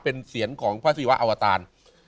เป็นเสียรของพระศรีวะอะวศาล